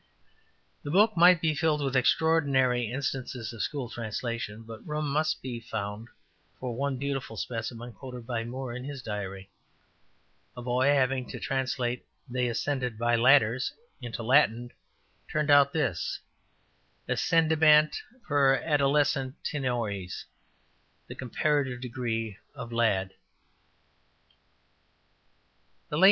7). The book might be filled with extraordinary instances of school translation, but room must be found for one beautiful specimen quoted by Moore in his Diary. A boy having to translate ``they ascended by ladders'' into Latin, turned out this, ``ascendebant per adolescentiores'' (the comparative degree of lad, i.e., ladder).